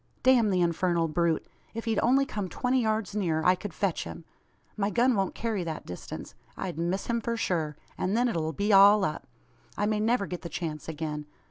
"Damn the infernal brute! If he'd only come twenty yards nearer, I could fetch him. My gun won't carry that distance. I'd miss him for sure, and then it'll be all up. I may never get the chance again.